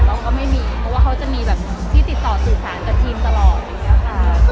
เราก็ไม่มีเพราะว่าเขาจะมีแบบที่ติดต่อสื่อสารกับทีมตลอดอย่างนี้ค่ะ